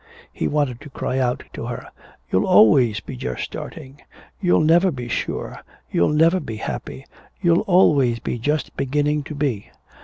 He wanted to cry out to her, "You'll always be just starting! You'll never be sure, you'll never be happy, you'll always be just beginning to be!